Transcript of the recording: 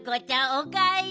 おかえり！